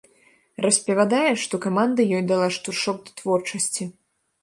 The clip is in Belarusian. Распавядае, што каманда ёй дала штуршок да творчасці.